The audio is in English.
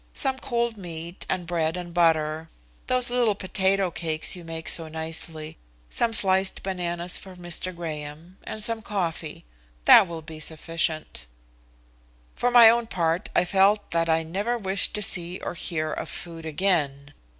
"Some cold meat and bread and butter, those little potato cakes you make so nicely, some sliced bananas for Mr. Graham and some coffee that will be sufficient." For my own part I felt that I never wished to see or hear of food again.